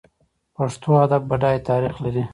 پښتو ادب بډای تاریخ لري.